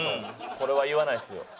これは言わないですよ。